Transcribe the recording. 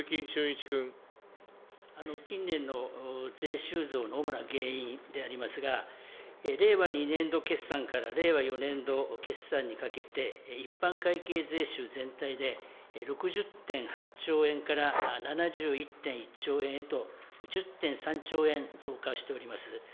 近年の税収増の主な原因でありますが、令和２年度決算から令和４年度決算にかけて、一般会計税収全体で、６０．８兆円から７１．１兆円へと１０．３兆円増加しております。